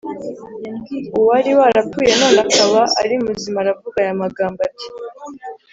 uwari warapfuye none akaba ari muzima aravuga aya magambo ati